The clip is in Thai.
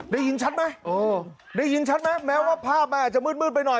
ได้ยินชัดไหมแม้ว่าภาพมันอาจจะมืดไปหน่อย